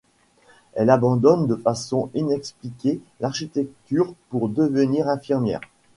Elle abandonne de façon inexpliquée l'architecture pour devenir infirmière.